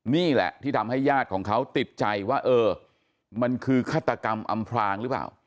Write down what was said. นี่แหละที่ทำให้ญาติของเขาติดใจว่าเออมันคือฆาตกรรมอำพลางหรือเปล่า